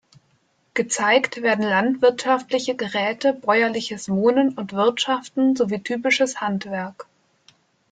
Gezeigt werden landwirtschaftliche Geräte, bäuerliches Wohnen und Wirtschaften sowie typisches Handwerk.